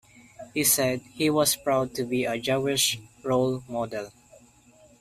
He said he was proud to be a Jewish role model.